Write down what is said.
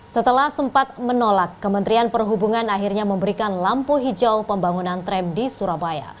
setelah sempat menolak kementerian perhubungan akhirnya memberikan lampu hijau pembangunan tram di surabaya